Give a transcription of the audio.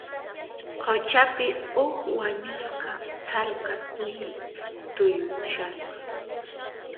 Quchapi, huk wañusqa sallqa quwi tuyushasqa.